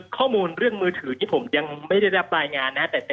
ข้อมูลเรื่องมือถือที่ผมยังไม่ได้รับรายงานนะครับ